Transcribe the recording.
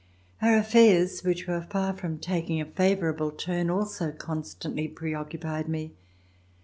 Our affairs, which were far from taking a favorable turn, also constantly preoccupied me.